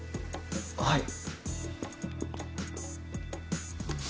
はい。